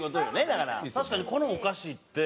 確かにこのお菓子って。